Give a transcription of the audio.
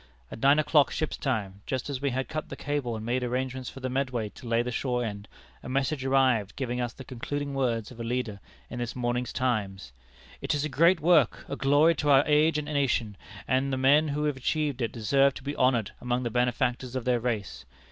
At nine o'clock, ship's time, just as we had cut the cable and made arrangements for the Medway to lay the shore end, a message arrived giving us the concluding words of a leader in this morning's Times: 'It is a great work, a glory to our age and nation, and the men who have achieved it deserve to be honored among the benefactors of their race.'